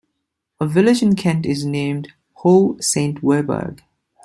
A village in Kent is named Hoo Saint Werburgh.